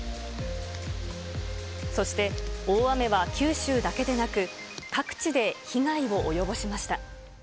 そして大雨は九州だけでなく、各地で被害を及ぼしました。